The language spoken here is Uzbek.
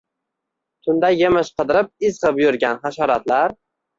Tunda yemish qidirib izg‘ib yurgan hasharotlar